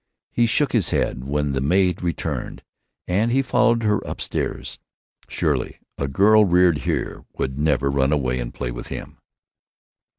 He shook his head when the maid returned, and he followed her up stairs. Surely a girl reared here would never run away and play with him.